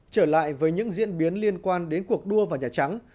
trở lại với những diễn biến liên quan đến cuộc đua vào nhà trắng